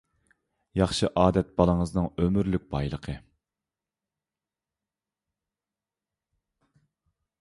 ياخشى ئادەت بالىڭىزنىڭ ئۆمۈرلۈك بايلىقى.